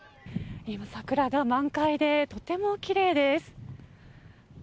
桜が満開でとてもきれいです。